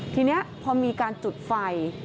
ทีนี้พอมีการจุดไฟ